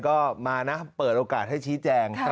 ก็มานะเปิดโอกาสให้ชี้แจง